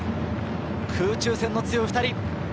空中戦に強い２人。